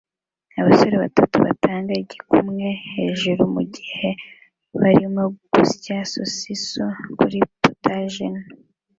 Abasore batatu batanga igikumwe hejuru mugihe barimo gusya sosiso kuri POTAGE nto